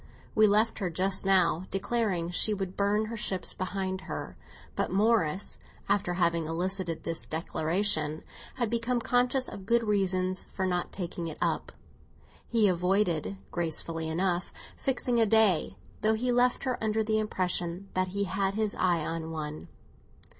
We left her just now declaring that she would burn her ships behind her; but Morris, after having elicited this declaration, had become conscious of good reasons for not taking it up. He avoided, gracefully enough, fixing a day, though he left her under the impression that he had his eye on one.